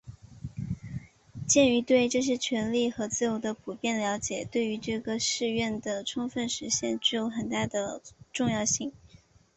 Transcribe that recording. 鉴于对这些权利和自由的普遍了解对于这个誓愿的充分实现具有很大的重要性